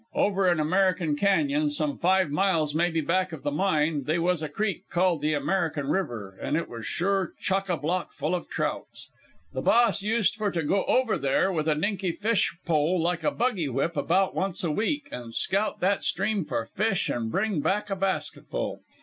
Over in American Cañon, some five miles maybe back of the mine, they was a creek called the American River, and it was sure chock a block full of trouts. The Boss used for to go over there with a dinky fish pole like a buggy whip about once a week, and scout that stream for fish and bring back a basketful.